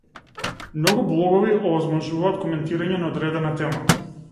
Многу блогови овозможуваат коментирање на одредена тема.